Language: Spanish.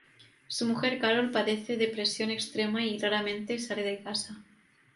Su mujer Carol padece depresión extrema y raramente sale de casa.